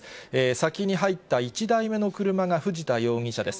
先に入った１台目の車が藤田容疑者です。